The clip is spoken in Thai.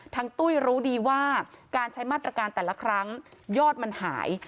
ตุ้ยรู้ดีว่าการใช้มาตรการแต่ละครั้งยอดมันหาย